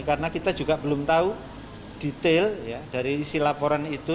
karena kita juga belum tahu detail dari isi laporan itu